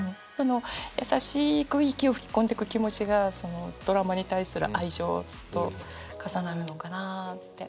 優しく息を吹き込んでく気持ちがそのドラマに対する愛情と重なるのかなって。